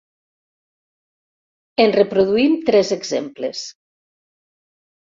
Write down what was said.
En reproduïm tres exemples.